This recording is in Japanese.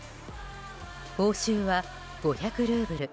報酬は５００ルーブル